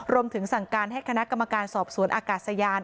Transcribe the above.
รวมถึงสั่งการให้คณะกรรมการสอบสวนอากาศยาน